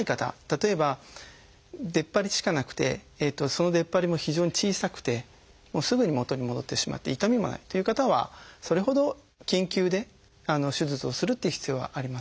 例えば出っ張りしかなくてその出っ張りも非常に小さくてすぐに元に戻ってしまって痛みもないという方はそれほど緊急で手術をするっていう必要はありません。